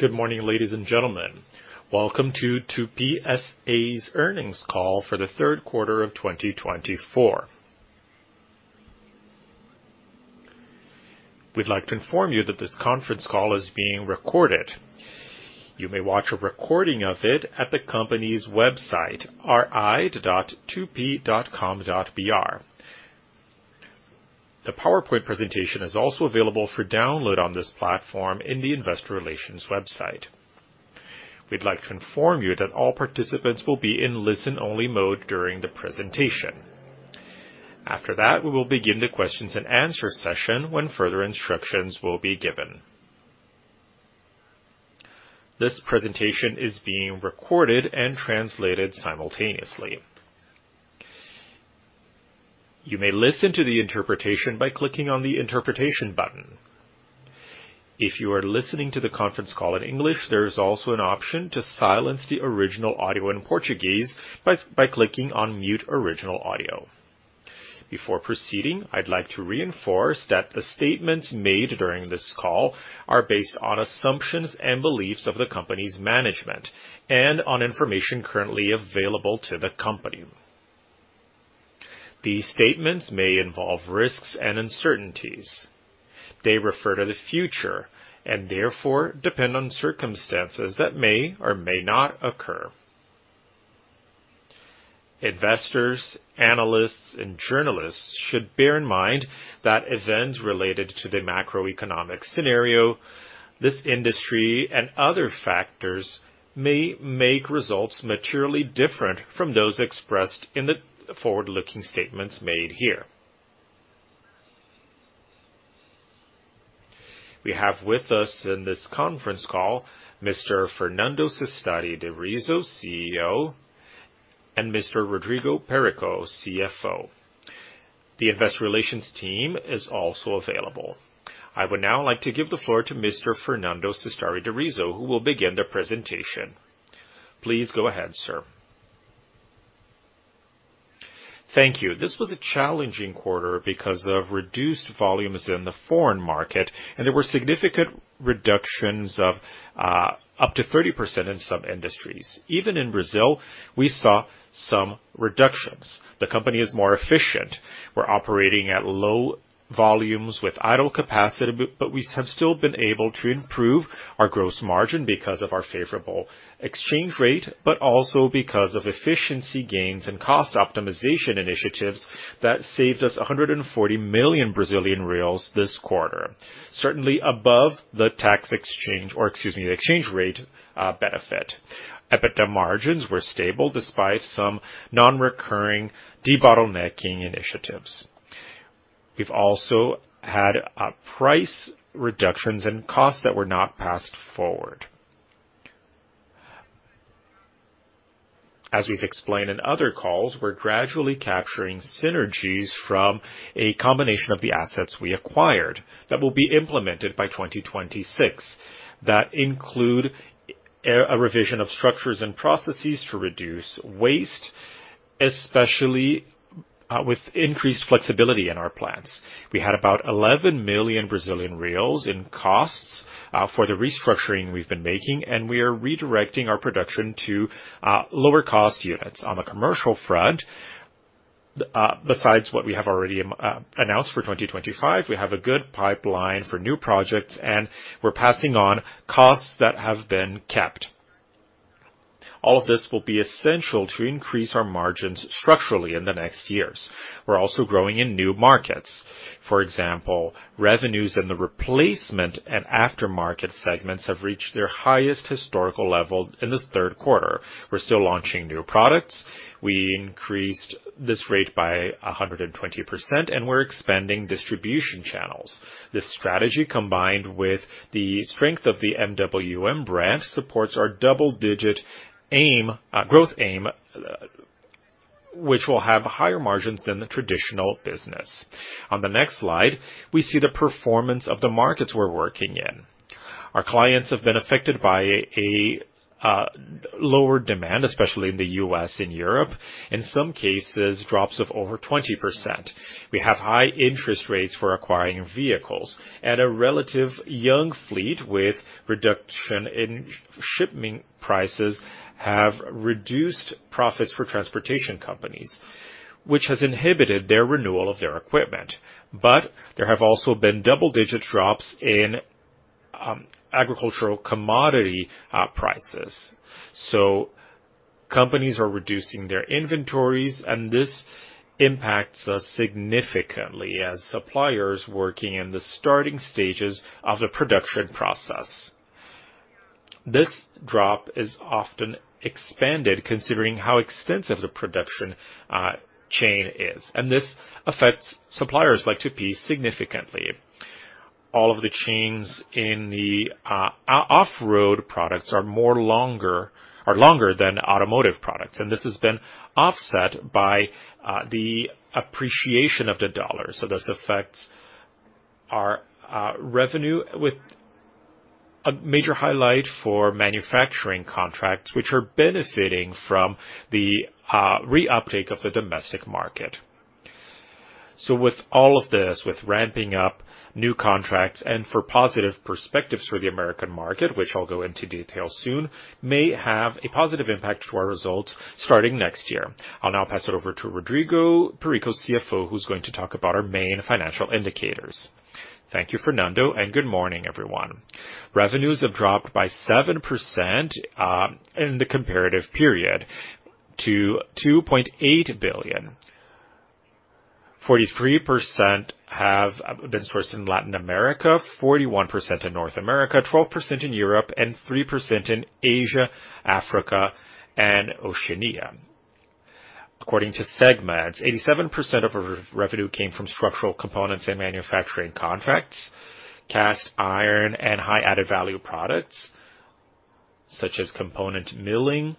Good morning, ladies and gentlemen. Welcome to Tupy SA's earnings call for the third quarter of 2024. We'd like to inform you that this conference call is being recorded. You may watch a recording of it at the company's website, ri.tupy.com.br. The PowerPoint presentation is also available for download on this platform in the Investor Relations website. We'd like to inform you that all participants will be in listen-only mode during the presentation. After that, we will begin the questions and answers session when further instructions will be given. This presentation is being recorded and translated simultaneously. You may listen to the interpretation by clicking on the interpretation button. If you are listening to the conference call in English, there is also an option to silence the original audio in Portuguese by clicking on Mute Original Audio. Before proceeding, I'd like to reinforce that the statements made during this call are based on assumptions and beliefs of the company's management and on information currently available to the company. These statements may involve risks and uncertainties. They refer to the future and therefore depend on circumstances that may or may not occur. Investors, analysts, and journalists should bear in mind that events related to the macroeconomic scenario, this industry, and other factors may make results materially different from those expressed in the forward-looking statements made here. We have with us in this conference call Mr. Fernando Cestari de Rizzo, CEO, and Mr. Rodrigo Perico, CFO. The Investor Relations team is also available. I would now like to give the floor to Mr. Fernando Cestari de Rizzo, who will begin the presentation. Please go ahead, sir. Thank you. This was a challenging quarter because of reduced volumes in the foreign market, and there were significant reductions of up to 30% in some industries. Even in Brazil, we saw some reductions. The company is more efficient. We're operating at low volumes with idle capacity, but we have still been able to improve our gross margin because of our favorable exchange rate, but also because of efficiency gains and cost optimization initiatives that saved us 140 million Brazilian reais this quarter, certainly above the tax exchange or, excuse me, the exchange rate benefit. EBITDA margins were stable despite some non-recurring debottlenecking initiatives. We've also had price reductions and costs that were not passed forward. As we've explained in other calls, we're gradually capturing synergies from a combination of the assets we acquired that will be implemented by 2026. That includes a revision of structures and processes to reduce waste, especially with increased flexibility in our plants. We had about 11 million Brazilian reais in costs for the restructuring we've been making, and we are redirecting our production to lower-cost units. On the commercial front, besides what we have already announced for 2025, we have a good pipeline for new projects, and we're passing on costs that have been kept. All of this will be essential to increase our margins structurally in the next years. We're also growing in new markets. For example, revenues in the replacement and aftermarket segments have reached their highest historical level in the third quarter. We're still launching new products. We increased this rate by 120%, and we're expanding distribution channels. This strategy, combined with the strength of the MWM brand, supports our double-digit growth aim, which will have higher margins than the traditional business. On the next slide, we see the performance of the markets we're working in. Our clients have been affected by lower demand, especially in the U.S. and Europe, in some cases drops of over 20%. We have high interest rates for acquiring vehicles, and a relatively young fleet with reduction in shipping prices have reduced profits for transportation companies, which has inhibited their renewal of their equipment. But there have also been double-digit drops in agricultural commodity prices. So companies are reducing their inventories, and this impacts us significantly as suppliers working in the starting stages of the production process. This drop is often expanded considering how extensive the production chain is, and this affects suppliers like Tupy significantly. All of the chains in the off-road products are longer than automotive products, and this has been offset by the appreciation of the dollar, so this affects our revenue with a major highlight for manufacturing contracts, which are benefiting from the uptick of the domestic market, so with all of this, with ramping up new contracts and for positive perspectives for the American market, which I'll go into detail soon, may have a positive impact to our results starting next year. I'll now pass it over to Rodrigo Perico, CFO, who's going to talk about our main financial indicators. Thank you, Fernando, and good morning, everyone. Revenues have dropped by 7% in the comparative period to 2.8 billion, 43% have been sourced in Latin America, 41% in North America, 12% in Europe, and 3% in Asia, Africa, and Oceania. According to segments, 87% of our revenue came from structural components and manufacturing contracts, cast iron, and high-added value products such as component milling.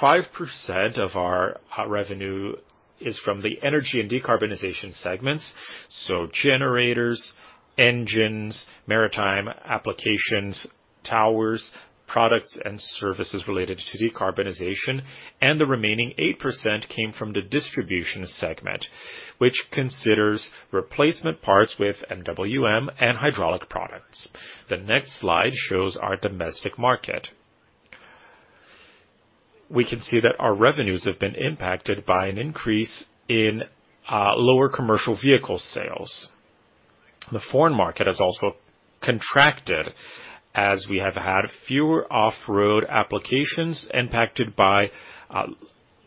5% of our revenue is from the energy and decarbonization segments, so generators, engines, maritime applications, towers, products and services related to decarbonization, and the remaining 8% came from the distribution segment, which considers replacement parts with MWM and hydraulic products. The next slide shows our domestic market. We can see that our revenues have been impacted by an increase in lower commercial vehicle sales. The foreign market has also contracted as we have had fewer off-road applications impacted by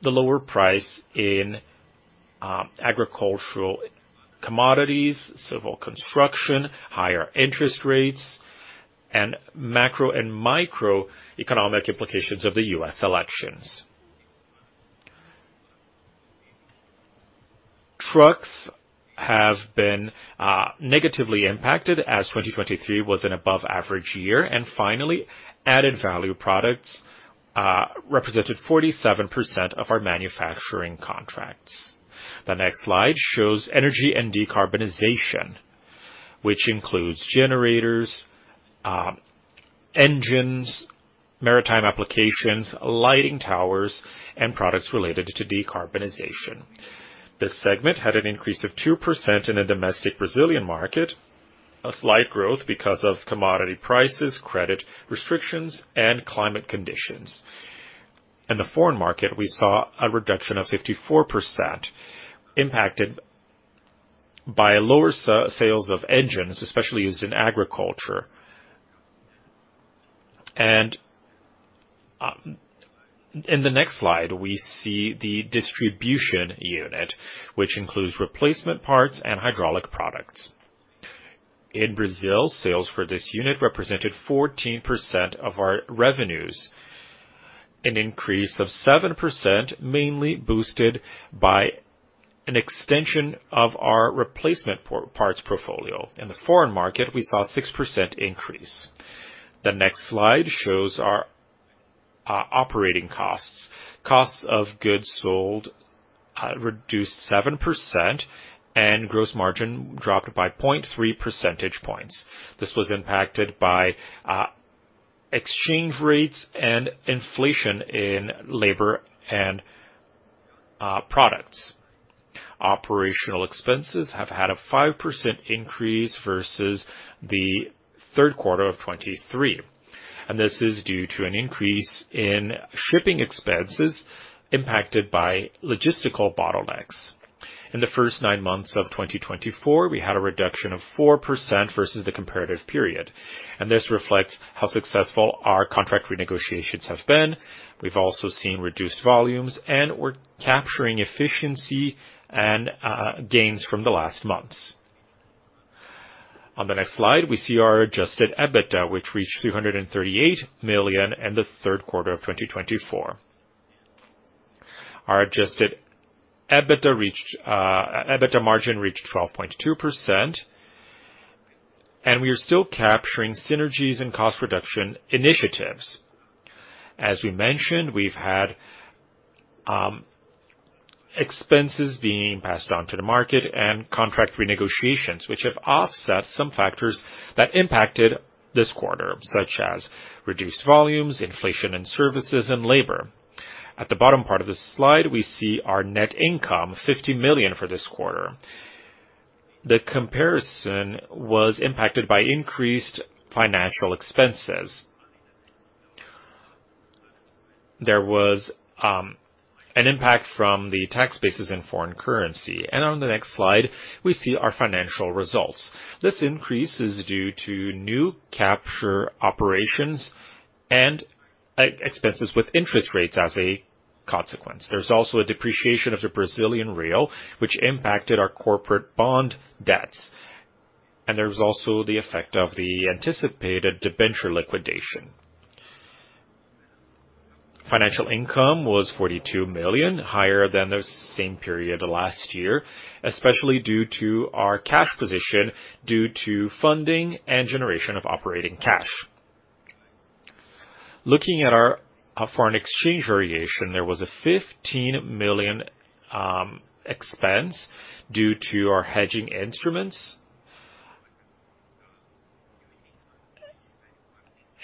the lower price in agricultural commodities, civil construction, higher interest rates, and macro and microeconomic implications of the U.S. elections. Trucks have been negatively impacted as 2023 was an above-average year, and finally, added value products represented 47% of our manufacturing contracts. The next slide shows energy and decarbonization, which includes generators, engines, maritime applications, lighting towers, and products related to decarbonization. This segment had an increase of 2% in the domestic Brazilian market, a slight growth because of commodity prices, credit restrictions, and climate conditions. In the foreign market, we saw a reduction of 54% impacted by lower sales of engines, especially used in agriculture, and in the next slide, we see the distribution unit, which includes replacement parts and hydraulic products. In Brazil, sales for this unit represented 14% of our revenues, an increase of 7% mainly boosted by an extension of our replacement parts portfolio. In the foreign market, we saw a 6% increase. The next slide shows our operating costs. Cost of goods sold reduced 7%, and gross margin dropped by 0.3 percentage points. This was impacted by exchange rates and inflation in labor and products. Operational expenses have had a 5% increase versus the third quarter of 2023, and this is due to an increase in shipping expenses impacted by logistical bottlenecks. In the first nine months of 2024, we had a reduction of 4% versus the comparative period, and this reflects how successful our contract renegotiations have been. We've also seen reduced volumes, and we're capturing efficiency and gains from the last months. On the next slide, we see our adjusted EBITDA, which reached 338 million in the third quarter of 2024. Our adjusted EBITDA margin reached 12.2%, and we are still capturing synergies and cost reduction initiatives. As we mentioned, we've had expenses being passed on to the market and contract renegotiations, which have offset some factors that impacted this quarter, such as reduced volumes, inflation in services, and labor. At the bottom part of this slide, we see our net income, 50 million for this quarter. The comparison was impacted by increased financial expenses. There was an impact from the tax bases in foreign currency. And on the next slide, we see our financial results. This increase is due to new capture operations and expenses with interest rates as a consequence. There's also a depreciation of the Brazilian real, which impacted our corporate bond debts. And there was also the effect of the anticipated debenture liquidation. Financial income was 42 million, higher than the same period last year, especially due to our cash position due to funding and generation of operating cash. Looking at our foreign exchange variation, there was a 15 million expense due to our hedging instruments,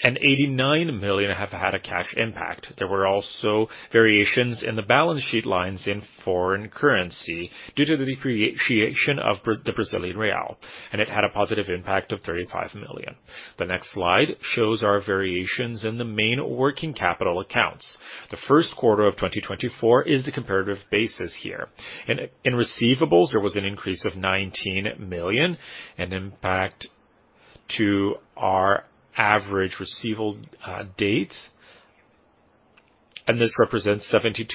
and 89 million have had a cash impact. There were also variations in the balance sheet lines in foreign currency due to the depreciation of the Brazilian real, and it had a positive impact of 35 million. The next slide shows our variations in the main working capital accounts. The first quarter of 2024 is the comparative basis here. In receivables, there was an increase of 19 million in impact to our average receivable dates, and this represents 72%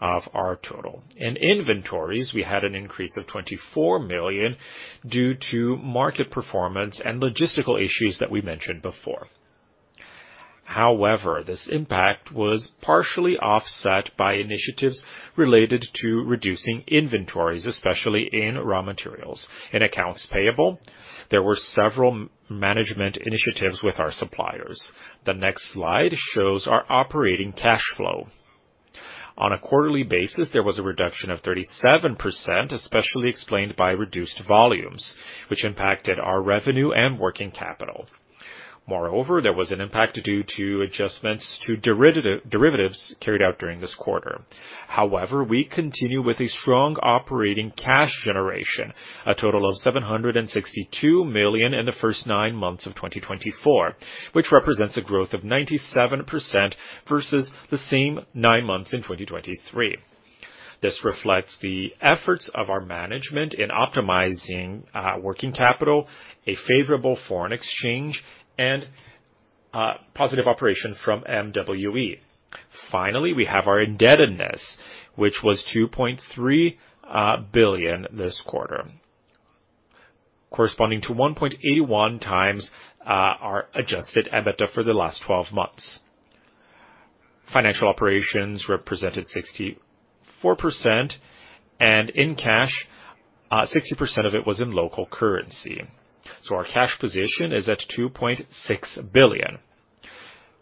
of our total. In inventories, we had an increase of 24 million due to market performance and logistical issues that we mentioned before. However, this impact was partially offset by initiatives related to reducing inventories, especially in raw materials. In accounts payable, there were several management initiatives with our suppliers. The next slide shows our operating cash flow. On a quarterly basis, there was a reduction of 37%, especially explained by reduced volumes, which impacted our revenue and working capital. Moreover, there was an impact due to adjustments to derivatives carried out during this quarter. However, we continue with a strong operating cash generation, a total of 762 million in the first nine months of 2024, which represents a growth of 97% versus the same nine months in 2023. This reflects the efforts of our management in optimizing working capital, a favorable foreign exchange, and positive operation from MWM. Finally, we have our indebtedness, which was 2.3 billion this quarter, corresponding to 1.81 times our adjusted EBITDA for the last 12 months. Financial operations represented 64%, and in cash, 60% of it was in local currency. Our cash position is at 2.6 billion.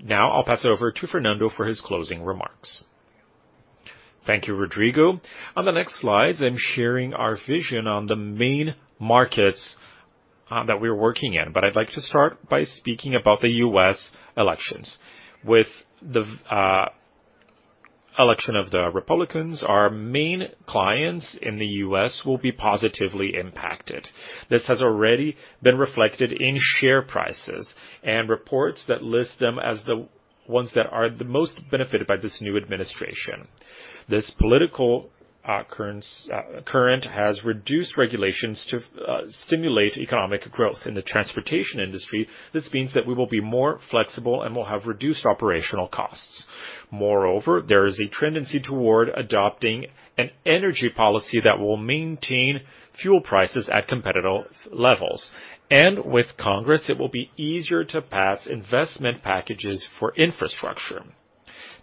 Now I'll pass it over to Fernando for his closing remarks. Thank you, Rodrigo. On the next slides, I'm sharing our vision on the main markets that we are working in, but I'd like to start by speaking about the U.S. elections. With the election of the Republicans, our main clients in the U.S. will be positively impacted. This has already been reflected in share prices and reports that list them as the ones that are the most benefited by this new administration. This political current has reduced regulations to stimulate economic growth in the transportation industry. This means that we will be more flexible and will have reduced operational costs. Moreover, there is a tendency toward adopting an energy policy that will maintain fuel prices at competitive levels, and with Congress, it will be easier to pass investment packages for infrastructure.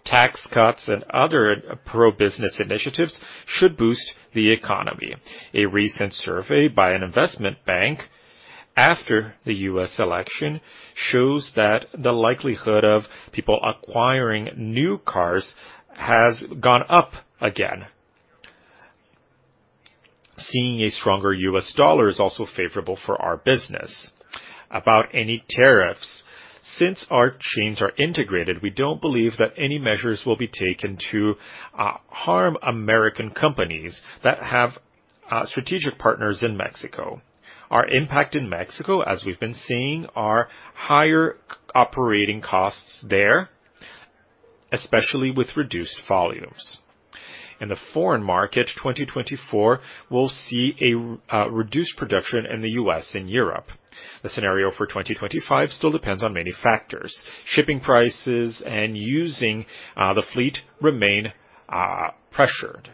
Tax cuts and other pro-business initiatives should boost the economy. A recent survey by an investment bank after the U.S. election shows that the likelihood of people acquiring new cars has gone up again. Seeing a stronger U.S. dollar is also favorable for our business. About any tariffs, since our chains are integrated, we don't believe that any measures will be taken to harm American companies that have strategic partners in Mexico. Our impact in Mexico, as we've been seeing, are higher operating costs there, especially with reduced volumes. In the foreign market, 2024 will see a reduced production in the U.S. and Europe. The scenario for 2025 still depends on many factors. Shipping prices and using the fleet remain pressured.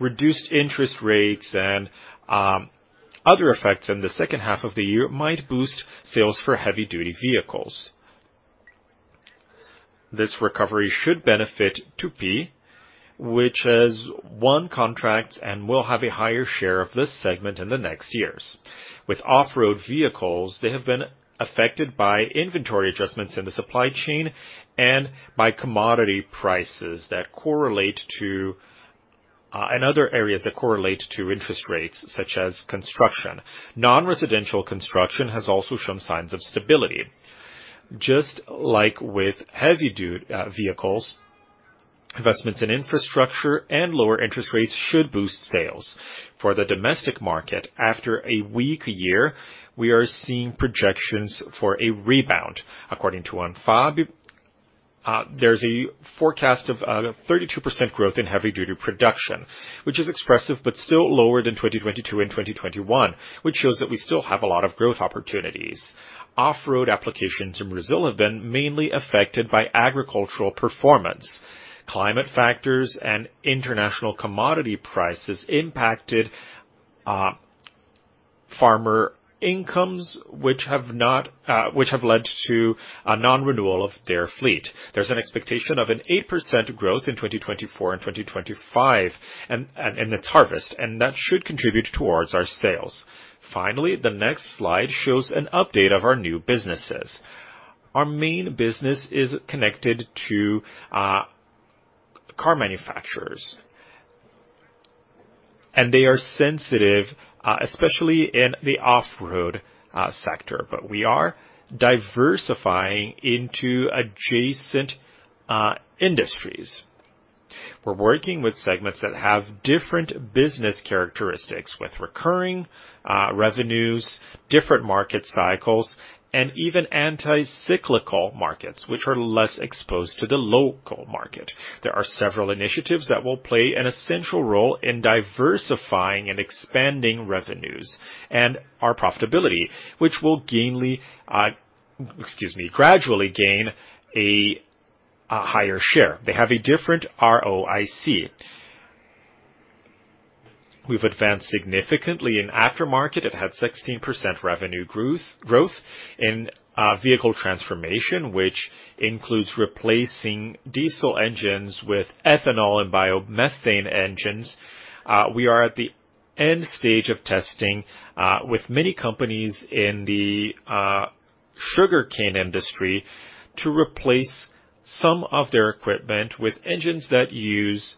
Reduced interest rates and other effects in the second half of the year might boost sales for heavy-duty vehicles. This recovery should benefit Tupy, which has won contracts and will have a higher share of this segment in the next years. With off-road vehicles, they have been affected by inventory adjustments in the supply chain and by commodity prices that correlate to and other areas that correlate to interest rates such as construction. Non-residential construction has also shown signs of stability. Just like with heavy-duty vehicles, investments in infrastructure and lower interest rates should boost sales. For the domestic market, after a weak year, we are seeing projections for a rebound. According to Anfavea, there's a forecast of 32% growth in heavy-duty production, which is expressive but still lower than 2022 and 2021, which shows that we still have a lot of growth opportunities. Off-road applications in Brazil have been mainly affected by agricultural performance. Climate factors and international commodity prices impacted farmer incomes, which have led to a non-renewal of their fleet. There's an expectation of an 8% growth in 2024 and 2025 in its harvest, and that should contribute towards our sales. Finally, the next slide shows an update of our new businesses. Our main business is connected to car manufacturers, and they are sensitive, especially in the off-road sector, but we are diversifying into adjacent industries. We're working with segments that have different business characteristics with recurring revenues, different market cycles, and even anti-cyclical markets, which are less exposed to the local market. There are several initiatives that will play an essential role in diversifying and expanding revenues and our profitability, which will gradually gain a higher share. Excuse me. They have a different ROIC. We've advanced significantly in aftermarket. It had 16% revenue growth in vehicle transformation, which includes replacing diesel engines with ethanol and biomethane engines. We are at the end stage of testing with many companies in the sugarcane industry to replace some of their equipment with engines that use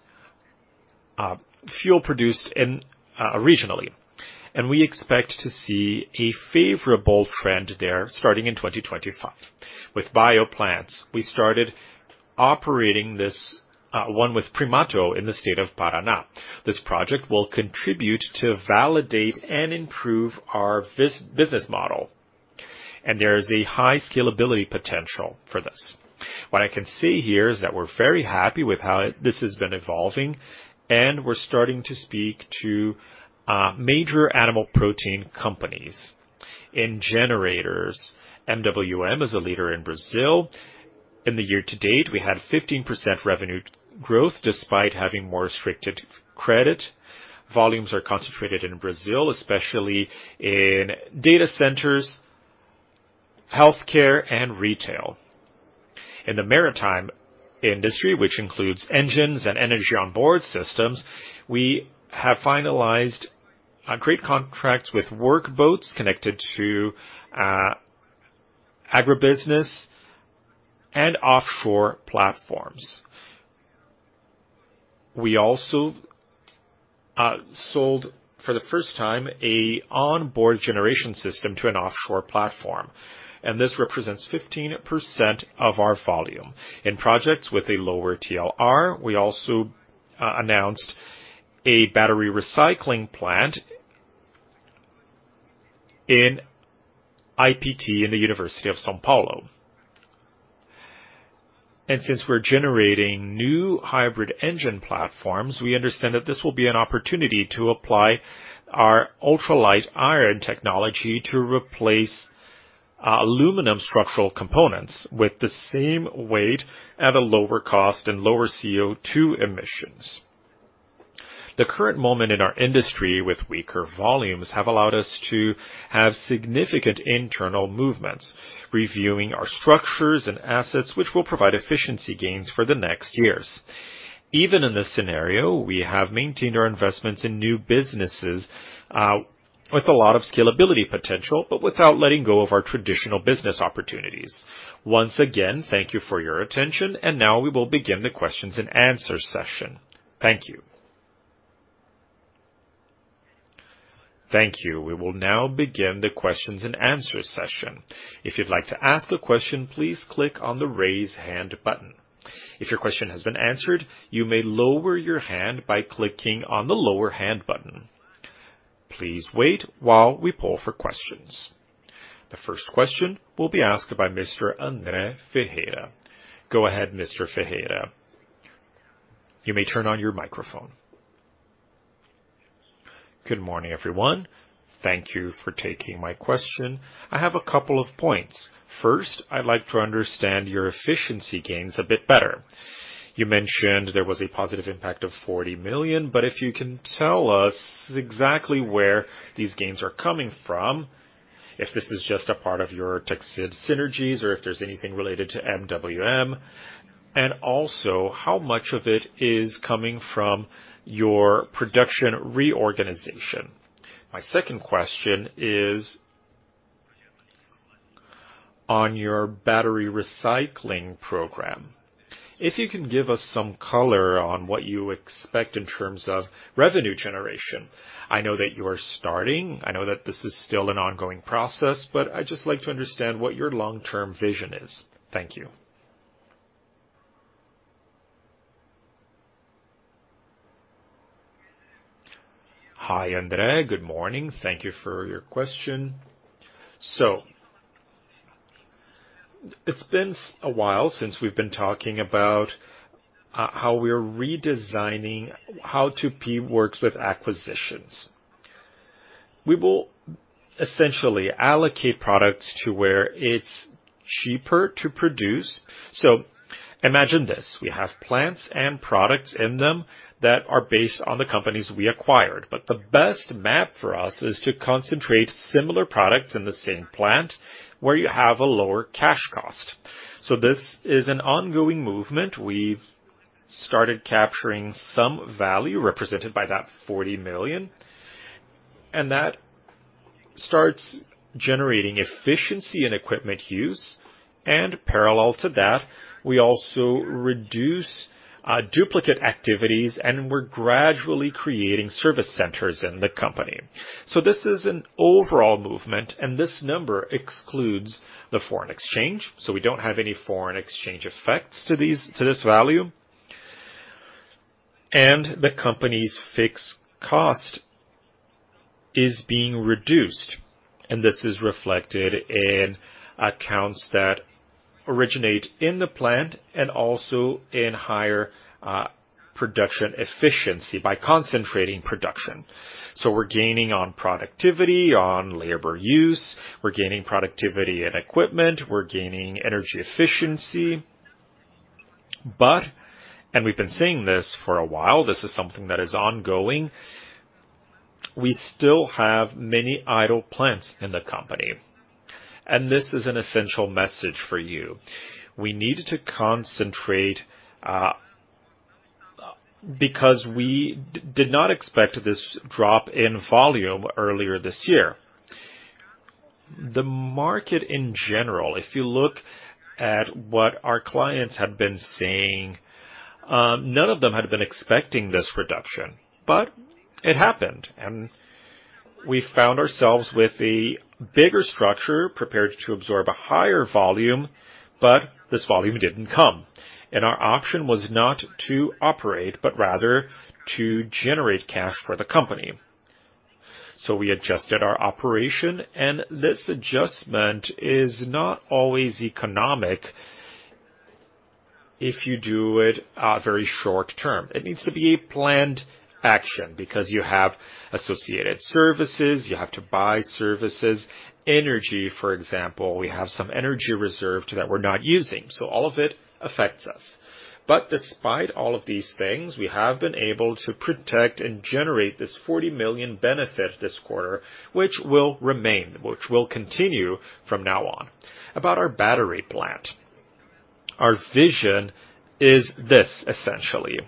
fuel produced regionally, and we expect to see a favorable trend there starting in 2025. With bioplants, we started operating this one with Primato in the state of Paraná. This project will contribute to validate and improve our business model, and there is a high scalability potential for this. What I can see here is that we're very happy with how this has been evolving, and we're starting to speak to major animal protein companies in generators. MWM is a leader in Brazil. In the year to date, we had 15% revenue growth despite having more restricted credit. Volumes are concentrated in Brazil, especially in data centers, healthcare, and retail. In the maritime industry, which includes engines and energy onboard systems, we have finalized great contracts with workboats connected to agribusiness and offshore platforms. We also sold for the first time an onboard generation system to an offshore platform, and this represents 15% of our volume. In projects with a lower TRL, we also announced a battery recycling plant in IPT in the University of São Paulo, and since we're generating new hybrid engine platforms, we understand that this will be an opportunity to apply our Ultralight Iron technology to replace aluminum structural components with the same weight at a lower cost and lower CO2 emissions. The current moment in our industry with weaker volumes has allowed us to have significant internal movements, reviewing our structures and assets, which will provide efficiency gains for the next years. Even in this scenario, we have maintained our investments in new businesses with a lot of scalability potential, but without letting go of our traditional business opportunities. Once again, thank you for your attention, and now we will begin the questions and answers session. Thank you. Thank you. We will now begin the questions and answers session. If you'd like to ask a question, please click on the raise hand button. If your question has been answered, you may lower your hand by clicking on the lower hand button. Please wait while we pull for questions. The first question will be asked by Mr. André Ferreira. Go ahead, Mr. Ferreira. You may turn on your microphone. Good morning, everyone. Thank you for taking my question. I have a couple of points. First, I'd like to understand your efficiency gains a bit better. You mentioned there was a positive impact of 40 million, but if you can tell us exactly where these gains arde coming from, if this is just a part of your Tupy-MWM synergies or if there's anything related to MWM, and also how much of it is coming from your production reorganization. My second question is on your battery recycling program. If you can give us some color on what you expect in terms of revenue generation. I know that you're starting. I know that this is still an ongoing process, but I'd just like to understand what your long-term vision is. Thank you. Hi, André. Good morning. Thank you for your question. So it's been a while since we've been talking about how we are redesigning how Tupy works with acquisitions. We will essentially allocate products to where it's cheaper to produce. So imagine this: we have plants and products in them that are based on the companies we acquired, but the best map for us is to concentrate similar products in the same plant where you have a lower cash cost. So this is an ongoing movement. We've started capturing some value represented by that 40 million, and that starts generating efficiency in equipment use. And parallel to that, we also reduce duplicate activities, and we're gradually creating service centers in the company. So this is an overall movement, and this number excludes the foreign exchange. So we don't have any foreign exchange effects to this value, and the company's fixed cost is being reduced. And this is reflected in accounts that originate in the plant and also in higher production efficiency by concentrating production. So we're gaining on productivity, on labor use. We're gaining productivity in equipment. We're gaining energy efficiency. But, and we've been saying this for a while, this is something that is ongoing. We still have many idle plants in the company. And this is an essential message for you. We need to concentrate because we did not expect this drop in volume earlier this year. The market in general, if you look at what our clients had been saying, none of them had been expecting this reduction, but it happened. And we found ourselves with a bigger structure prepared to absorb a higher volume, but this volume didn't come. And our option was not to operate, but rather to generate cash for the company. So we adjusted our operation, and this adjustment is not always economic if you do it very short term. It needs to be a planned action because you have associated services. You have to buy services, energy. For example, we have some energy reserved that we're not using. So all of it affects us. But despite all of these things, we have been able to protect and generate this 40 million benefit this quarter, which will remain, which will continue from now on. About our battery plant, our vision is this essentially.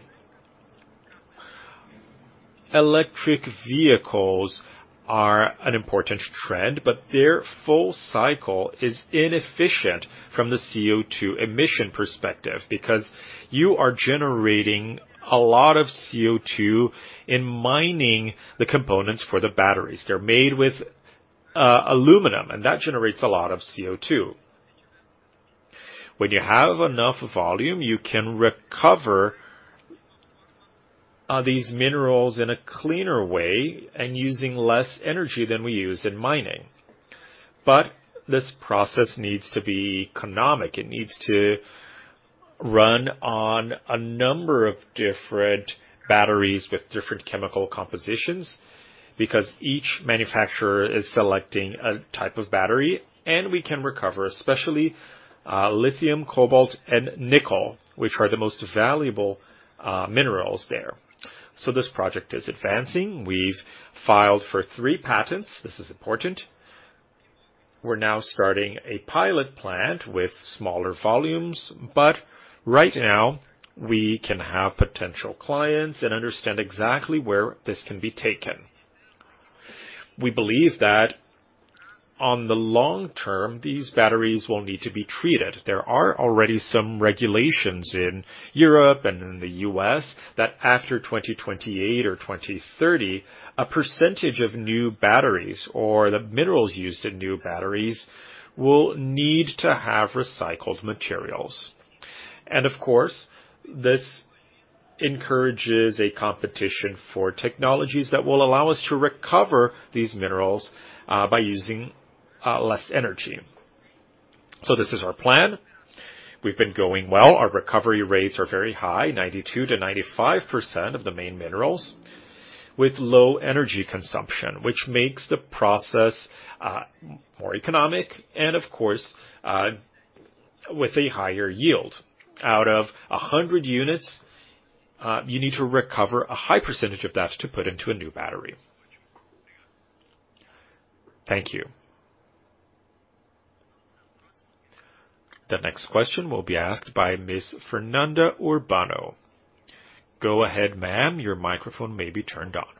Electric vehicles are an important trend, but their full cycle is inefficient from the CO2 emission perspective because you are generating a lot of CO2 in mining the components for the batteries. They're made with aluminum, and that generates a lot of CO2. When you have enough volume, you can recover these minerals in a cleaner way and using less energy than we use in mining. But this process needs to be economic. It needs to run on a number of different batteries with different chemical compositions because each manufacturer is selecting a type of battery, and we can recover, especially lithium, cobalt, and nickel, which are the most valuable minerals there. So this project is advancing. We've filed for three patents. This is important. We're now starting a pilot plant with smaller volumes, but right now we can have potential clients and understand exactly where this can be taken. We believe that on the long term, these batteries will need to be treated. There are already some regulations in Europe and in the U.S. that after 2028 or 2030, a percentage of new batteries or the minerals used in new batteries will need to have recycled materials. And of course, this encourages a competition for technologies that will allow us to recover these minerals by using less energy. So this is our plan. We've been going well. Our recovery rates are very high, 92%-95% of the main minerals with low energy consumption, which makes the process more economic and, of course, with a higher yield. Out of 100 units, you need to recover a high percentage of that to put into a new battery. Thank you. The next question will be asked by Ms. Fernanda Urbano. Go ahead, ma'am. Your microphone may be turned on.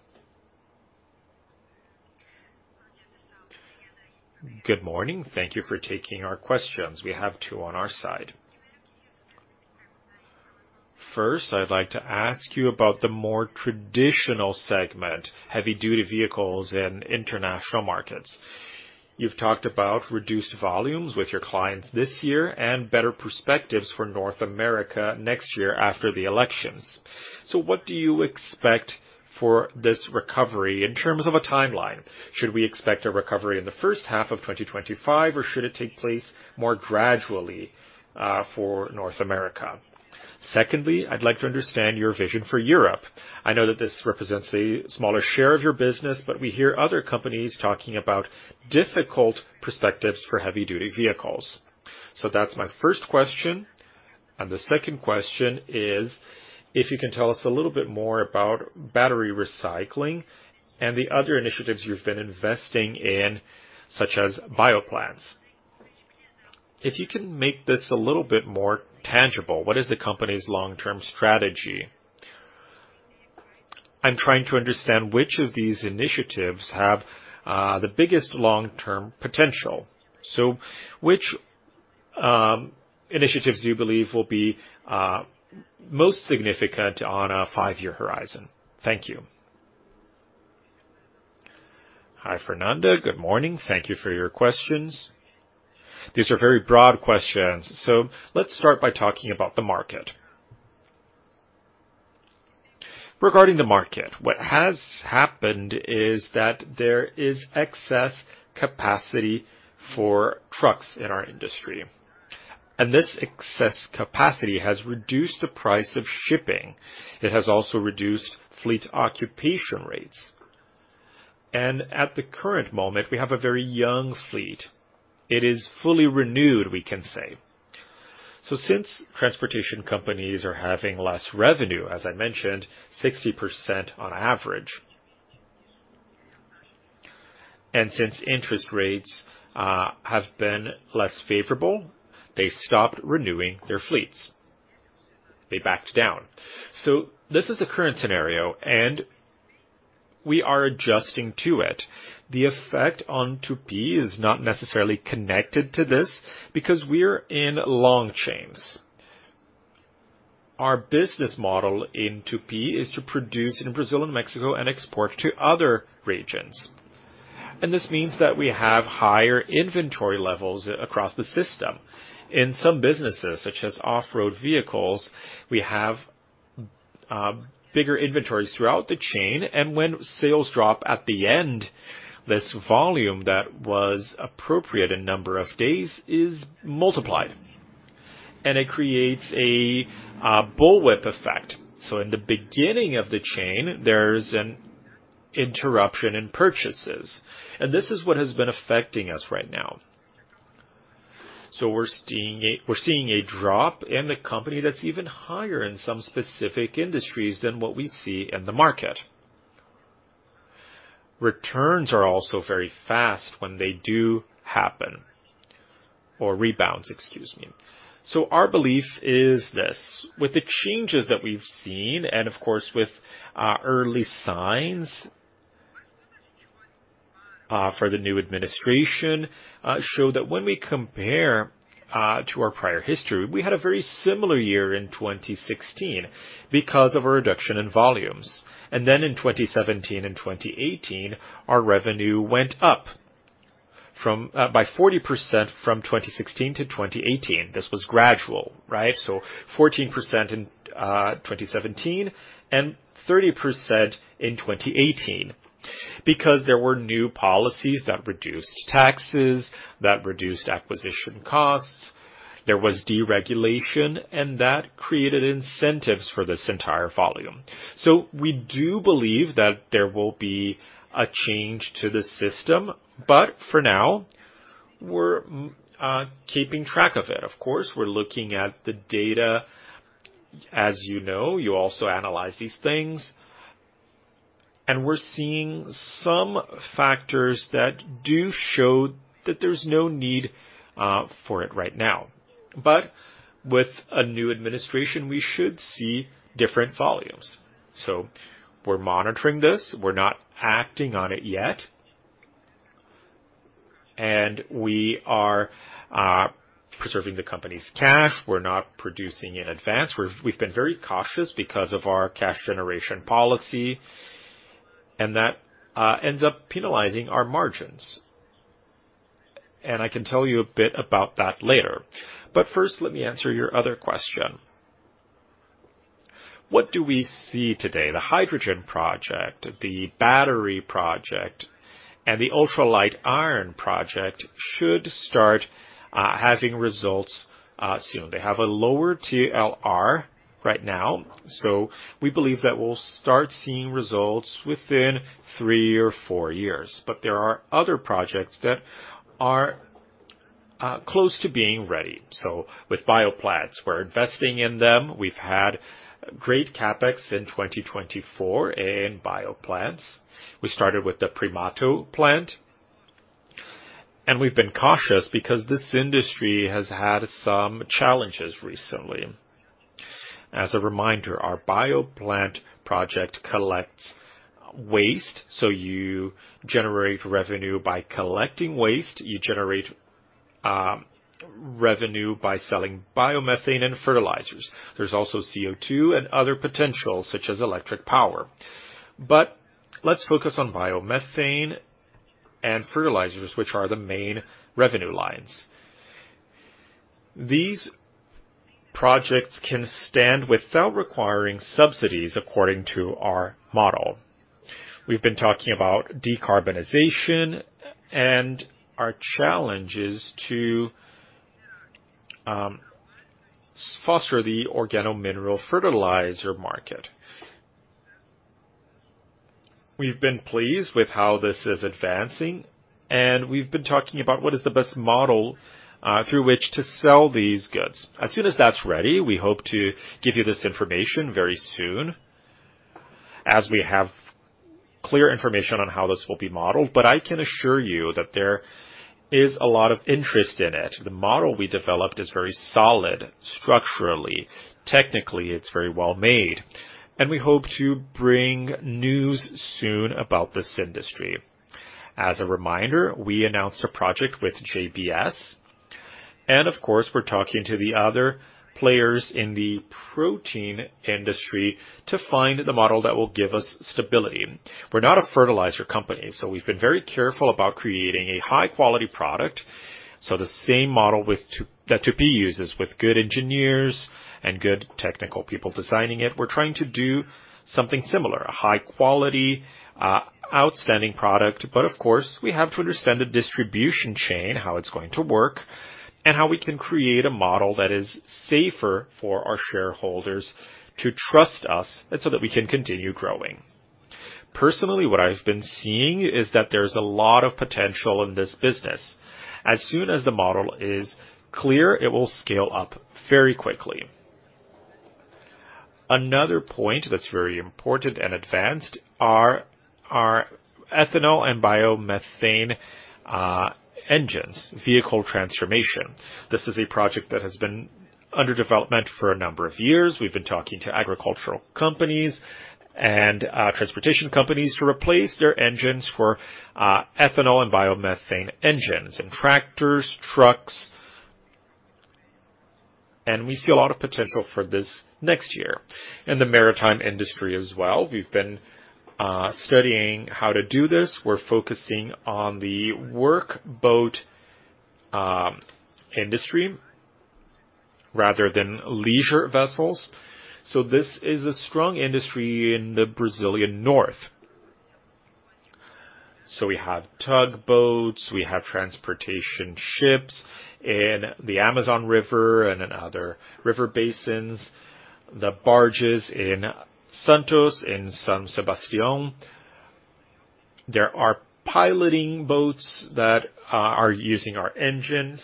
Good morning. Thank you for taking our questions. We have two on our side. First, I'd like to ask you about the more traditional segment, heavy-duty vehicles in international markets. You've talked about reduced volumes with your clients this year and better perspectives for North America next year after the elections. So what do you expect for this recovery in terms of a timeline? Should we expect a recovery in the first half of 2025, or should it take place more gradually for North America? Secondly, I'd like to understand your vision for Europe. I know that this represents a smaller share of your business, but we hear other companies talking about difficult perspectives for heavy-duty vehicles. So that's my first question. And the second question is if you can tell us a little bit more about battery recycling and the other initiatives you've been investing in, such as bioplants. If you can make this a little bit more tangible, what is the company's long-term strategy? I'm trying to understand which of these initiatives have the biggest long-term potential. So which initiatives do you believe will be most significant on a five-year horizon? Thank you. Hi, Fernanda. Good morning. Thank you for your questions. These are very broad questions. So let's start by talking about the market. Regarding the market, what has happened is that there is excess capacity for trucks in our industry. And this excess capacity has reduced the price of shipping. It has also reduced fleet occupation rates. And at the current moment, we have a very young fleet. It is fully renewed, we can say. So since transportation companies are having less revenue, as I mentioned, 60% on average, and since interest rates have been less favorable, they stopped renewing their fleets. They backed down. So this is a current scenario, and we are adjusting to it. The effect on Tupy is not necessarily connected to this because we are in long chains. Our business model in Tupy is to produce in Brazil and Mexico and export to other regions. And this means that we have higher inventory levels across the system. In some businesses, such as off-road vehicles, we have bigger inventories throughout the chain, and when sales drop at the end, this volume that was appropriate in number of days is multiplied, and it creates a bullwhip effect, so in the beginning of the chain, there's an interruption in purchases, and this is what has been affecting us right now, so we're seeing a drop in the company that's even higher in some specific industries than what we see in the market. Returns are also very fast when they do happen, or rebounds, excuse me, so our belief is this. With the changes that we've seen, and of course, with early signs for the new administration, show that when we compare to our prior history, we had a very similar year in 2016 because of a reduction in volumes. And then in 2017 and 2018, our revenue went up by 40% from 2016 to 2018. This was gradual, right? So 14% in 2017 and 30% in 2018 because there were new policies that reduced taxes, that reduced acquisition costs. There was deregulation, and that created incentives for this entire volume. So we do believe that there will be a change to the system, but for now, we're keeping track of it. Of course, we're looking at the data. As you know, you also analyze these things. And we're seeing some factors that do show that there's no need for it right now. But with a new administration, we should see different volumes. So we're monitoring this. We're not acting on it yet. And we are preserving the company's cash. We're not producing in advance. We've been very cautious because of our cash generation policy, and that ends up penalizing our margins. And I can tell you a bit about that later. But first, let me answer your other question. What do we see today? The hydrogen project, the battery project, and the ultralight iron project should start having results soon. They have a lower TRL right now. So we believe that we'll start seeing results within three or four years. But there are other projects that are close to being ready. So with bioplants, we're investing in them. We've had great CapEx in 2024 in bioplants. We started with the Primato plant. And we've been cautious because this industry has had some challenges recently. As a reminder, our bioplant project collects waste. So you generate revenue by collecting waste. You generate revenue by selling biomethane and fertilizers. There's also CO2 and other potential, such as electric power. But let's focus on biomethane and fertilizers, which are the main revenue lines. These projects can stand without requiring subsidies, according to our model. We've been talking about decarbonization and our challenges to foster the organo-mineral fertilizer market. We've been pleased with how this is advancing, and we've been talking about what is the best model through which to sell these goods. As soon as that's ready, we hope to give you this information very soon, as we have clear information on how this will be modeled. But I can assure you that there is a lot of interest in it. The model we developed is very solid structurally. Technically, it's very well-made. And we hope to bring news soon about this industry. As a reminder, we announced a project with JBS. And of course, we're talking to the other players in the protein industry to find the model that will give us stability. We're not a fertilizer company, so we've been very careful about creating a high-quality product. So the same model that Tupy uses with good engineers and good technical people designing it, we're trying to do something similar, a high-quality, outstanding product. But of course, we have to understand the distribution chain, how it's going to work, and how we can create a model that is safer for our shareholders to trust us so that we can continue growing. Personally, what I've been seeing is that there's a lot of potential in this business. As soon as the model is clear, it will scale up very quickly. Another point that's very important and advanced are our ethanol and biomethane engines, vehicle transformation. This is a project that has been under development for a number of years. We've been talking to agricultural companies and transportation companies to replace their engines for ethanol and biomethane engines and tractors, trucks, and we see a lot of potential for this next year in the maritime industry as well. We've been studying how to do this. We're focusing on the workboat industry rather than leisure vessels, so this is a strong industry in the Brazilian north, so we have tugboats. We have transportation ships in the Amazon River and in other river basins, the barges in Santos, in São Sebastião. There are piloting boats that are using our engines.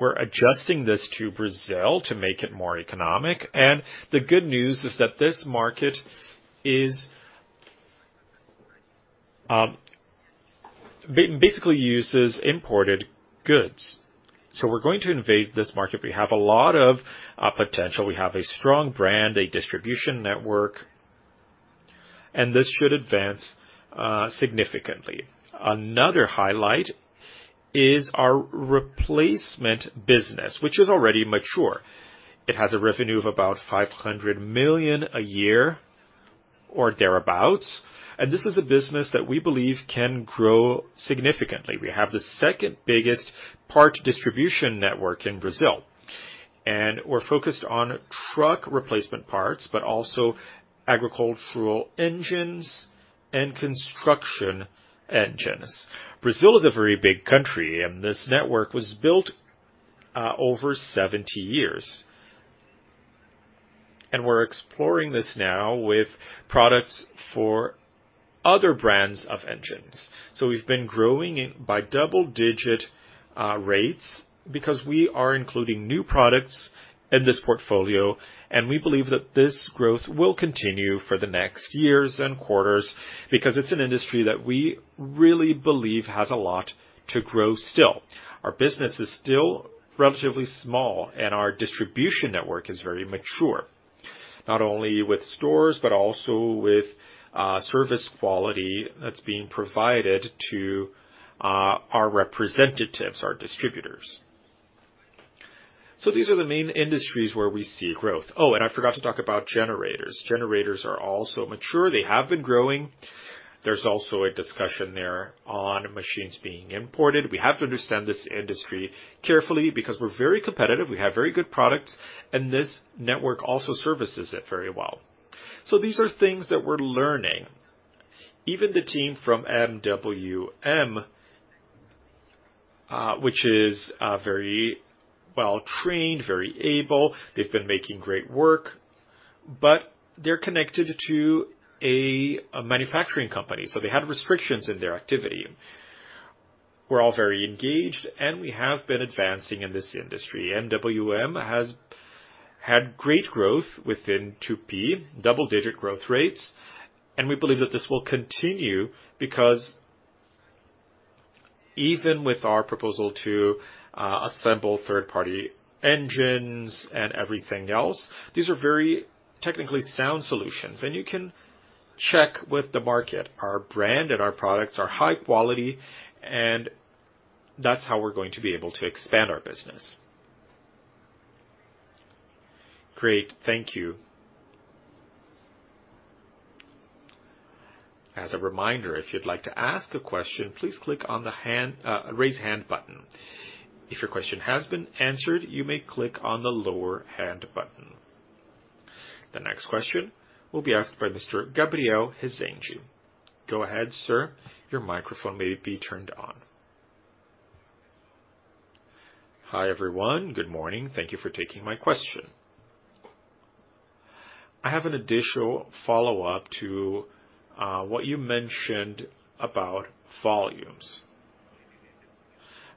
We're adjusting this to Brazil to make it more economic, and the good news is that this market basically uses imported goods, so we're going to invade this market. We have a lot of potential. We have a strong brand, a distribution network, and this should advance significantly. Another highlight is our replacement business, which is already mature. It has a revenue of about 500 million a year or thereabouts. And this is a business that we believe can grow significantly. We have the second biggest part distribution network in Brazil. And we're focused on truck replacement parts, but also agricultural engines and construction engines. Brazil is a very big country, and this network was built over 70 years. And we're exploring this now with products for other brands of engines. So we've been growing by double-digit rates because we are including new products in this portfolio. And we believe that this growth will continue for the next years and quarters because it's an industry that we really believe has a lot to grow still. Our business is still relatively small, and our distribution network is very mature, not only with stores but also with service quality that's being provided to our representatives, our distributors. So these are the main industries where we see growth. Oh, and I forgot to talk about generators. Generators are also mature. They have been growing. There's also a discussion there on machines being imported. We have to understand this industry carefully because we're very competitive. We have very good products, and this network also services it very well. So these are things that we're learning. Even the team from MWM, which is very well-trained, very able, they've been making great work, but they're connected to a manufacturing company. So they had restrictions in their activity. We're all very engaged, and we have been advancing in this industry. MWM has had great growth within Tupy, double-digit growth rates. We believe that this will continue because even with our proposal to assemble third-party engines and everything else, these are very technically sound solutions. You can check with the market. Our brand and our products are high quality, and that's how we're going to be able to expand our business. Great. Thank you. As a reminder, if you'd like to ask a question, please click on the raise hand button. If your question has been answered, you may click on the lower hand button. The next question will be asked by Mr. Gabriel Rezende. Go ahead, sir. Your microphone may be turned on. Hi everyone. Good morning. Thank you for taking my question. I have an additional follow-up to what you mentioned about volumes.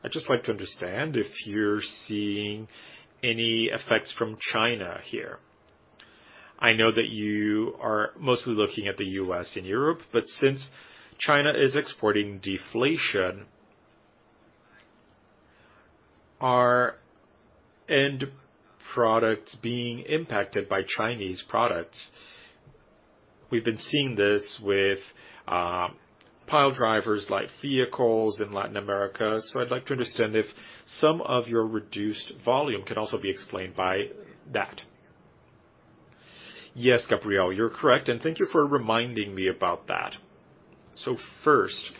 I'd just like to understand if you're seeing any effects from China here. I know that you are mostly looking at the U.S. and Europe, but since China is exporting deflation, are end products being impacted by Chinese products? We've been seeing this with pile-driver-like vehicles in Latin America. So I'd like to understand if some of your reduced volume can also be explained by that. Yes, Gabriel, you're correct. And thank you for reminding me about that. So first,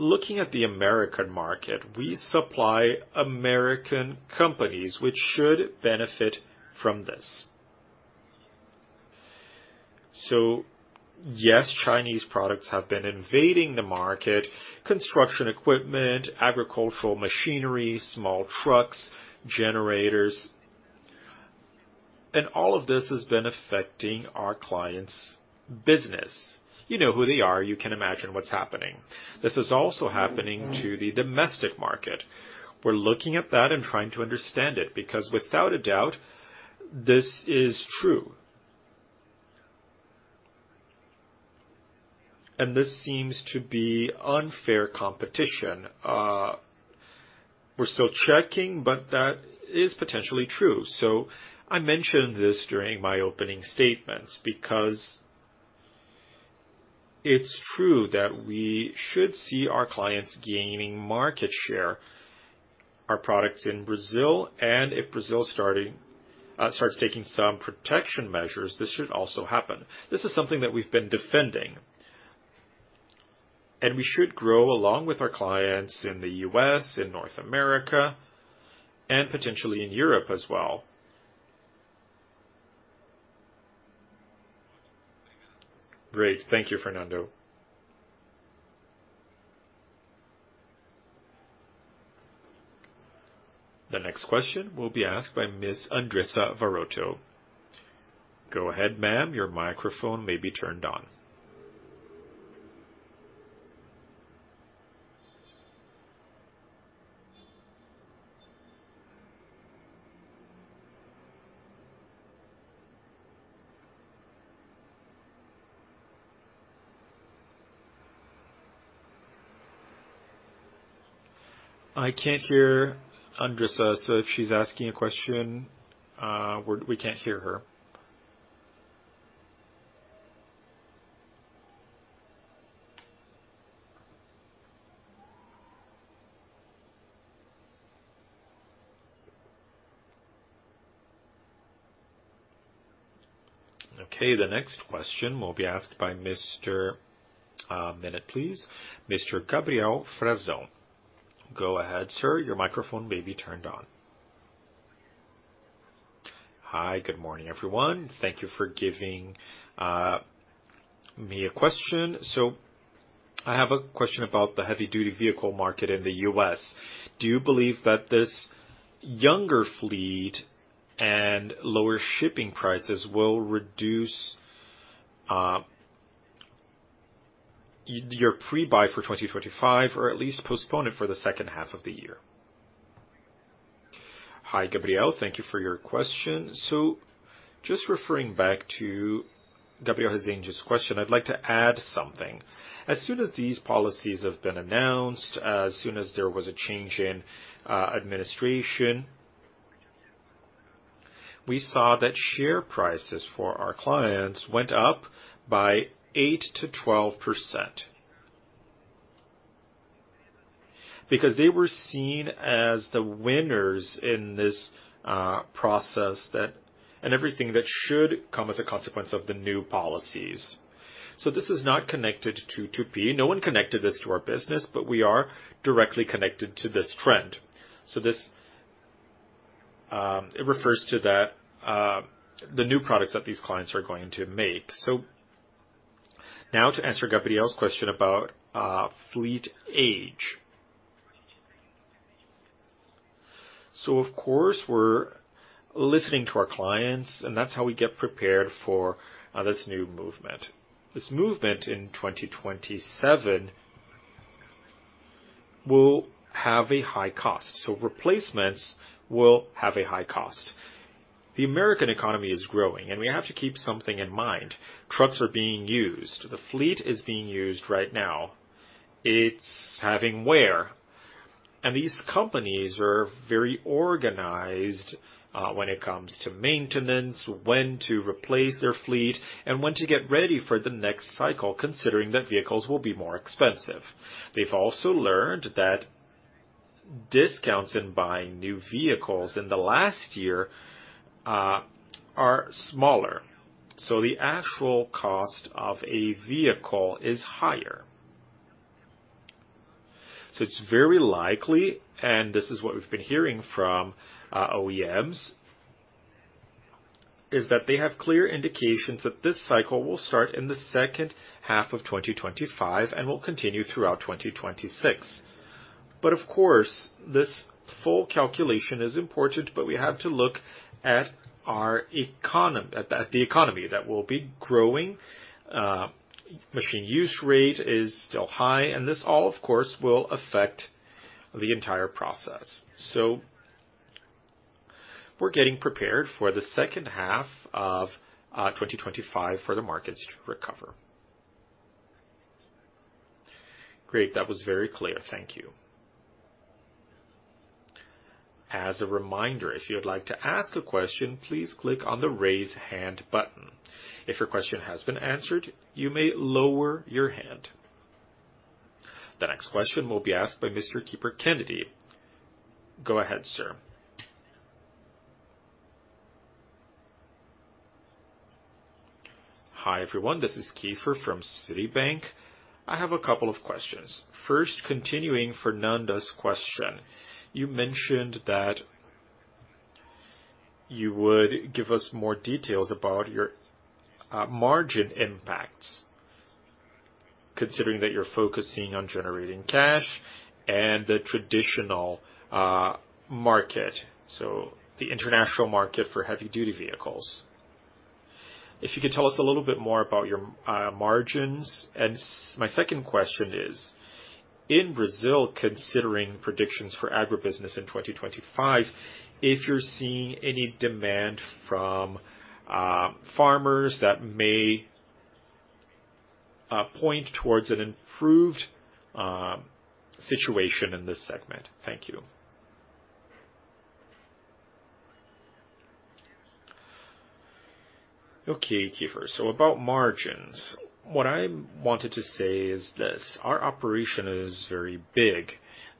looking at the American market, we supply American companies, which should benefit from this. So yes, Chinese products have been invading the market: construction equipment, agricultural machinery, small trucks, generators. And all of this has been affecting our clients' business. You know who they are. You can imagine what's happening. This is also happening to the domestic market. We're looking at that and trying to understand it because without a doubt, this is true. And this seems to be unfair competition. We're still checking, but that is potentially true. So I mentioned this during my opening statements because it's true that we should see our clients gaining market share, our products in Brazil. And if Brazil starts taking some protection measures, this should also happen. This is something that we've been defending. And we should grow along with our clients in the US, in North America, and potentially in Europe as well. Great. Thank you, Fernando. The next question will be asked by Ms. Andressa Varotto. Go ahead, ma'am. Your microphone may be turned on. I can't hear Andressa, so if she's asking a question, we can't hear her. Okay. The next question will be asked by Mr. Minute, please. Mr. Gabriel Frazão. Go ahead, sir. Your microphone may be turned on. Hi. Good morning, everyone. Thank you for giving me a question. I have a question about the heavy-duty vehicle market in the U.S. Do you believe that this younger fleet and lower shipping prices will reduce your pre-buy for 2025 or at least postpone it for the second half of the year? Hi, Gabriel. Thank you for your question. Just referring back to Gabriel Rezende's question, I'd like to add something. As soon as these policies have been announced, as soon as there was a change in administration, we saw that share prices for our clients went up by 8%-12% because they were seen as the winners in this process and everything that should come as a consequence of the new policies. This is not connected to Tupy. No one connected this to our business, but we are directly connected to this trend. So this refers to the new products that these clients are going to make. So now to answer Gabriel's question about fleet age. So of course, we're listening to our clients, and that's how we get prepared for this new movement. This movement in 2027 will have a high cost. So replacements will have a high cost. The American economy is growing, and we have to keep something in mind. Trucks are being used. The fleet is being used right now. It's having wear. And these companies are very organized when it comes to maintenance, when to replace their fleet, and when to get ready for the next cycle, considering that vehicles will be more expensive. They've also learned that discounts in buying new vehicles in the last year are smaller. So the actual cost of a vehicle is higher. It's very likely, and this is what we've been hearing from OEMs, is that they have clear indications that this cycle will start in the second half of 2025 and will continue throughout 2026. But of course, this full calculation is important, but we have to look at the economy that will be growing. Machine use rate is still high, and this all, of course, will affect the entire process. So we're getting prepared for the second half of 2025 for the markets to recover. Great. That was very clear. Thank you. As a reminder, if you'd like to ask a question, please click on the raise hand button. If your question has been answered, you may lower your hand. The next question will be asked by Mr. Kaiky Halley. Go ahead, sir. Hi, everyone. This is Kaiky from Citibank. I have a couple of questions. First, continuing Fernanda's question, you mentioned that you would give us more details about your margin impacts, considering that you're focusing on generating cash and the traditional market, so the international market for heavy-duty vehicles. If you could tell us a little bit more about your margins. And my second question is, in Brazil, considering predictions for agribusiness in 2025, if you're seeing any demand from farmers that may point towards an improved situation in this segment. Thank you. Okay, Kaiky. So about margins, what I wanted to say is this: our operation is very big.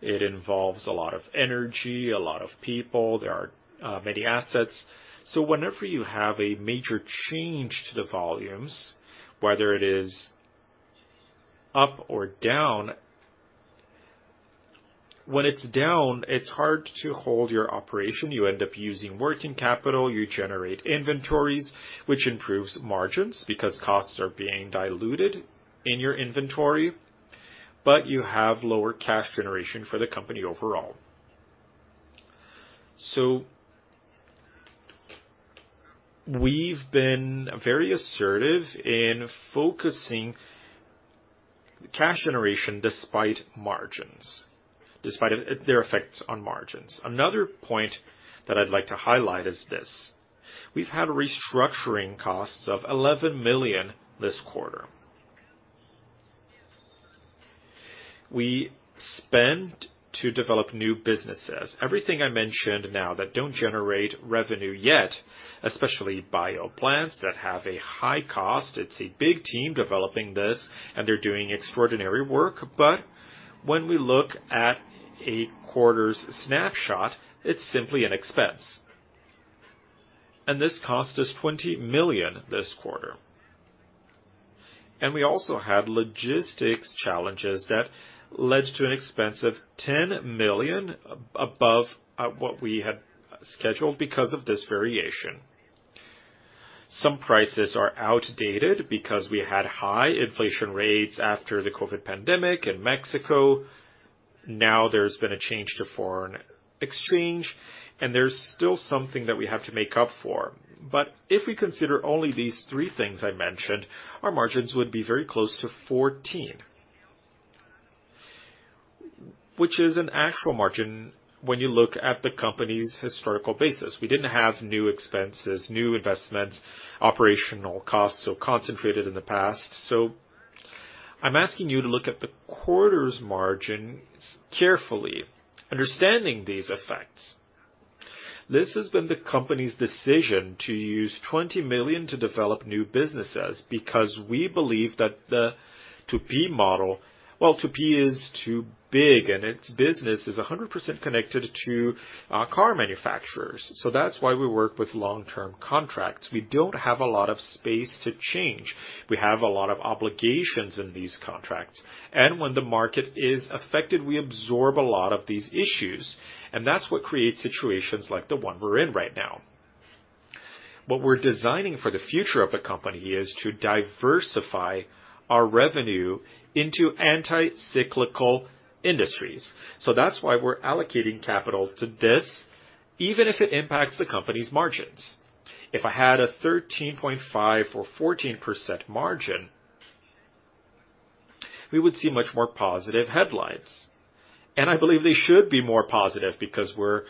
It involves a lot of energy, a lot of people. There are many assets. So whenever you have a major change to the volumes, whether it is up or down, when it's down, it's hard to hold your operation. You end up using working capital. You generate inventories, which improves margins because costs are being diluted in your inventory, but you have lower cash generation for the company overall. We've been very assertive in focusing cash generation despite margins, despite their effects on margins. Another point that I'd like to highlight is this: we've had restructuring costs of 11 million this quarter. We spend to develop new businesses. Everything I mentioned now that don't generate revenue yet, especially bioplants that have a high cost, it's a big team developing this, and they're doing extraordinary work. But when we look at a quarter's snapshot, it's simply an expense. This cost us 20 million this quarter. We also had logistics challenges that led to an expense of 10 million above what we had scheduled because of this variation. Some prices are outdated because we had high inflation rates after the COVID pandemic in Mexico. Now there's been a change to foreign exchange, and there's still something that we have to make up for. But if we consider only these three things I mentioned, our margins would be very close to 14%, which is an actual margin when you look at the company's historical basis. We didn't have new expenses, new investments, operational costs so concentrated in the past. So I'm asking you to look at the quarter's margins carefully, understanding these effects. This has been the company's decision to use 20 million to develop new businesses because we believe that the Tupy model, well, Tupy is too big, and its business is 100% connected to car manufacturers. So that's why we work with long-term contracts. We don't have a lot of space to change. We have a lot of obligations in these contracts, and when the market is affected, we absorb a lot of these issues, and that's what creates situations like the one we're in right now. What we're designing for the future of the company is to diversify our revenue into anti-cyclical industries, so that's why we're allocating capital to this, even if it impacts the company's margins. If I had a 13.5% or 14% margin, we would see much more positive headlines, and I believe they should be more positive because we're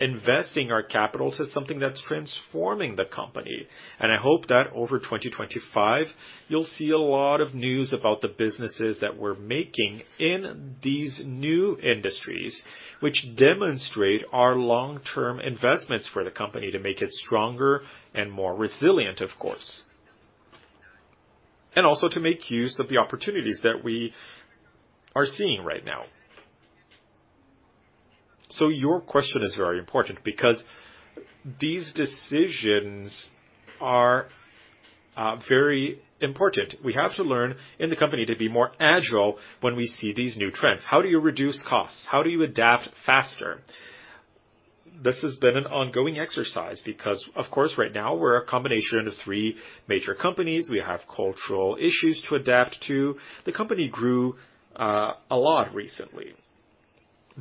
investing our capital to something that's transforming the company. And I hope that over 2025, you'll see a lot of news about the businesses that we're making in these new industries, which demonstrate our long-term investments for the company to make it stronger and more resilient, of course, and also to make use of the opportunities that we are seeing right now. So your question is very important because these decisions are very important. We have to learn in the company to be more agile when we see these new trends. How do you reduce costs? How do you adapt faster? This has been an ongoing exercise because, of course, right now, we're a combination of three major companies. We have cultural issues to adapt to. The company grew a lot recently.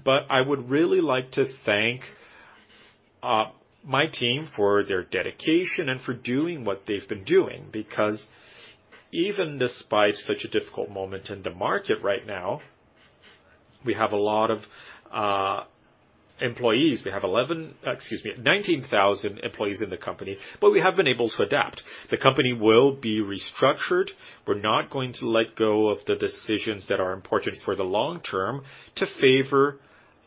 But I would really like to thank my team for their dedication and for doing what they've been doing because even despite such a difficult moment in the market right now, we have a lot of employees. We have 11, excuse me, 19,000 employees in the company, but we have been able to adapt. The company will be restructured. We're not going to let go of the decisions that are important for the long term to favor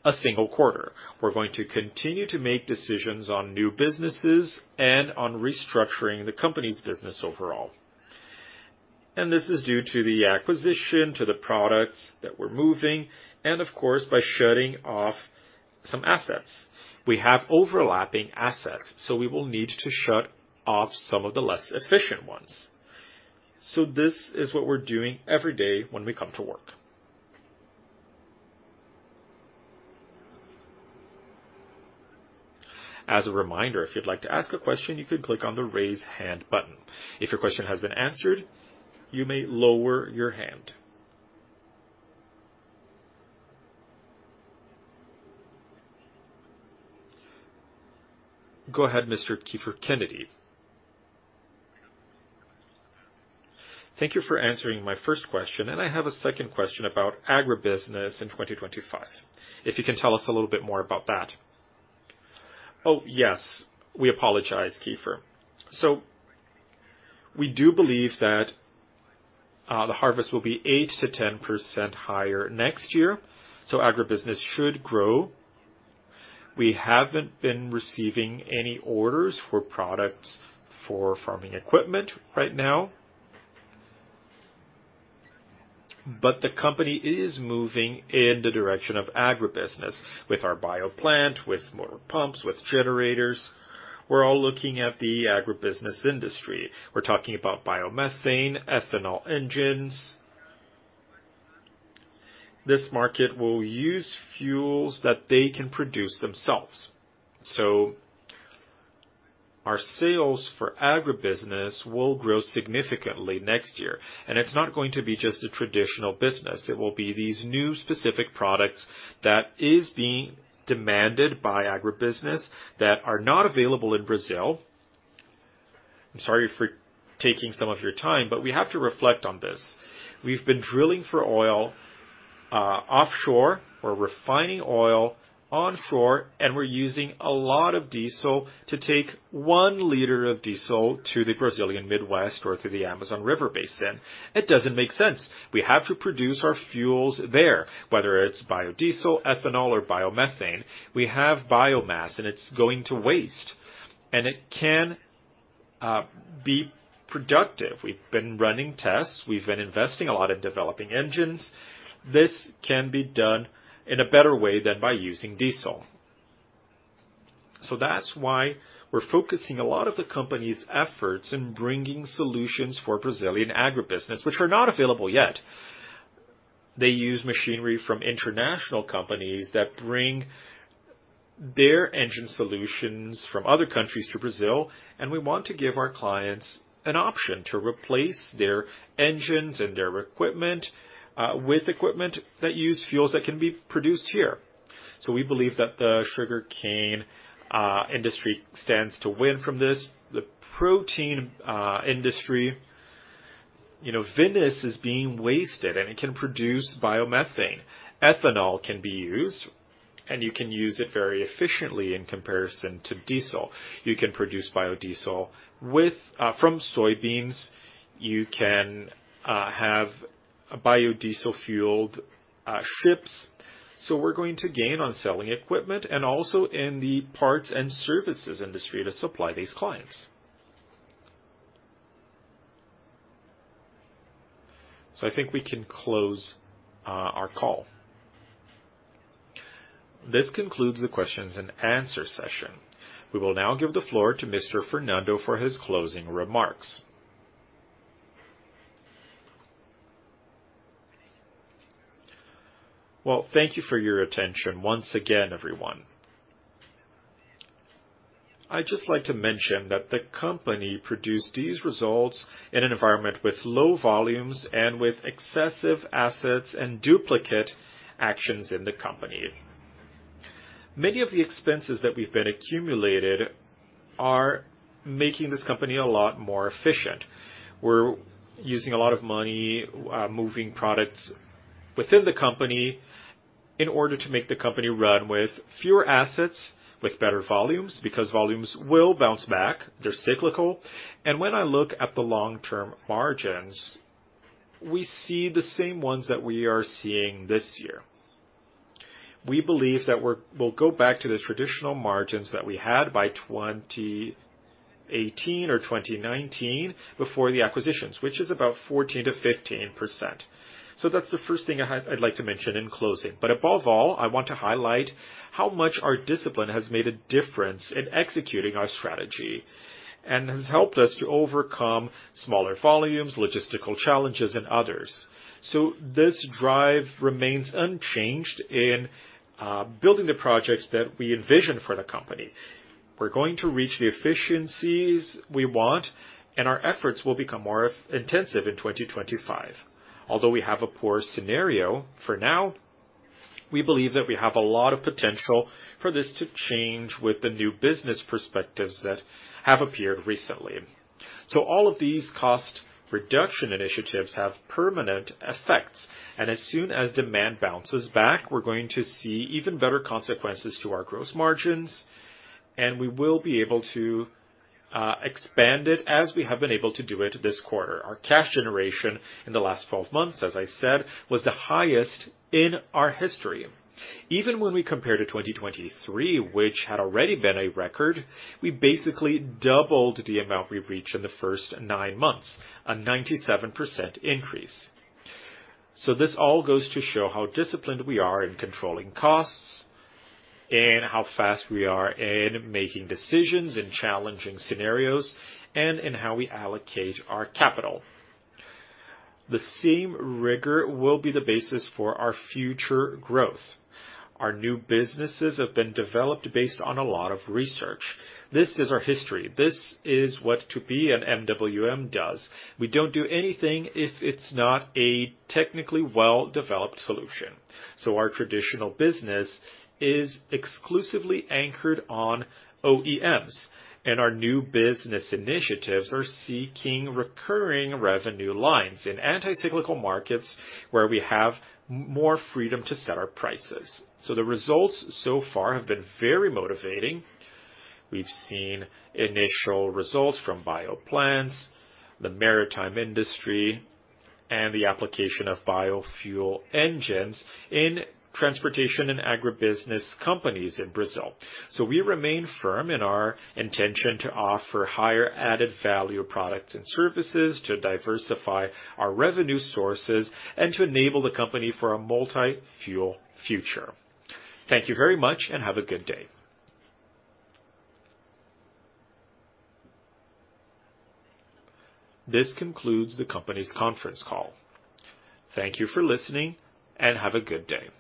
a single quarter. We're going to continue to make decisions on new businesses and on restructuring the company's business overall. And this is due to the acquisition, to the products that we're moving, and of course, by shutting off some assets. We have overlapping assets, so we will need to shut off some of the less efficient ones. So this is what we're doing every day when we come to work. As a reminder, if you'd like to ask a question, you can click on the raise hand button. If your question has been answered, you may lower your hand. Go ahead, Mr. Kaiky Halley. Thank you for answering my first question, and I have a second question about agribusiness in 2025. If you can tell us a little bit more about that. Oh, yes. We apologize, Kaifer. So we do believe that the harvest will be 8%-10% higher next year, so agribusiness should grow. We haven't been receiving any orders for products for farming equipment right now, but the company is moving in the direction of agribusiness with our bio plant, with motor pumps, with generators. We're all looking at the agribusiness industry. We're talking about biomethane, ethanol engines. This market will use fuels that they can produce themselves. So our sales for agribusiness will grow significantly next year. And it's not going to be just a traditional business. It will be these new specific products that are being demanded by agribusiness that are not available in Brazil. I'm sorry for taking some of your time, but we have to reflect on this. We've been drilling for oil offshore. We're refining oil onshore, and we're using a lot of diesel to take one liter of diesel to the Brazilian Midwest or to the Amazon River Basin. It doesn't make sense. We have to produce our fuels there, whether it's biodiesel, ethanol, or biomethane. We have biomass, and it's going to waste, and it can be productive. We've been running tests. We've been investing a lot in developing engines. This can be done in a better way than by using diesel. So that's why we're focusing a lot of the company's efforts in bringing solutions for Brazilian agribusiness, which are not available yet. They use machinery from international companies that bring their engine solutions from other countries to Brazil, and we want to give our clients an option to replace their engines and their equipment with equipment that uses fuels that can be produced here. So we believe that the sugarcane industry stands to win from this. The protein industry, waste is being wasted, and it can produce biomethane. Ethanol can be used, and you can use it very efficiently in comparison to diesel. You can produce biodiesel from soybeans. You can have biodiesel-fueled ships. So we're going to gain on selling equipment and also in the parts and services industry to supply these clients. So I think we can close our call. This concludes the questions and answers session. We will now give the floor to Mr. Fernando for his closing remarks. Well, thank you for your attention once again, everyone. I'd just like to mention that the company produced these results in an environment with low volumes and with excessive assets and duplicate actions in the company. Many of the expenses that we've been accumulated are making this company a lot more efficient. We're using a lot of money moving products within the company in order to make the company run with fewer assets, with better volumes because volumes will bounce back, they're cyclical, and when I look at the long-term margins, we see the same ones that we are seeing this year. We believe that we'll go back to the traditional margins that we had by 2018 or 2019 before the acquisitions, which is about 14%-15%. So that's the first thing I'd like to mention in closing. But above all, I want to highlight how much our discipline has made a difference in executing our strategy and has helped us to overcome smaller volumes, logistical challenges, and others. So this drive remains unchanged in building the projects that we envision for the company. We're going to reach the efficiencies we want, and our efforts will become more intensive in 2025. Although we have a poor scenario for now, we believe that we have a lot of potential for this to change with the new business perspectives that have appeared recently. So all of these cost reduction initiatives have permanent effects. And as soon as demand bounces back, we're going to see even better consequences to our gross margins, and we will be able to expand it as we have been able to do it this quarter. Our cash generation in the last 12 months, as I said, was the highest in our history. Even when we compare to 2023, which had already been a record, we basically doubled the amount we reached in the first nine months, a 97% increase. So this all goes to show how disciplined we are in controlling costs, in how fast we are in making decisions in challenging scenarios, and in how we allocate our capital. The same rigor will be the basis for our future growth. Our new businesses have been developed based on a lot of research. This is our history. This is what Tupy and MWM does. We don't do anything if it's not a technically well-developed solution. So our traditional business is exclusively anchored on OEMs, and our new business initiatives are seeking recurring revenue lines in anti-cyclical markets where we have more freedom to set our prices. So the results so far have been very motivating. We've seen initial results from bio plants, the maritime industry, and the application of biofuel engines in transportation and agribusiness companies in Brazil. So we remain firm in our intention to offer higher added value products and services to diversify our revenue sources and to enable the company for a multi-fuel future. Thank you very much, and have a good day. This concludes the company's conference call. Thank you for listening, and have a good day.